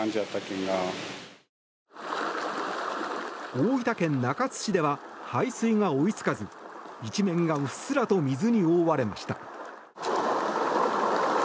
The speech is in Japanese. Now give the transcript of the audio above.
大分県中津市では排水が追いつかず一面がうっすらと水に覆われました。